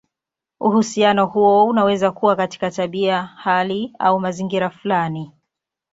Uhusiano huo unaweza kuwa katika tabia, hali, au mazingira fulani.